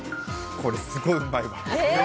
これ、すごいうまい。